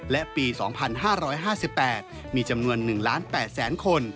และปี๒๕๕๘มีจำนวน๑๘๐๐๐๐๐คน